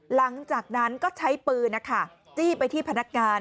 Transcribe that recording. หลังจากนั้นก็ใช้ปืนจี้ไปที่พนักงาน